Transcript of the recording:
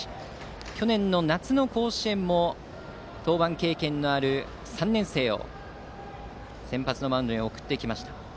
去年の夏の甲子園も登板経験のある３年生を先発のマウンドに送りました。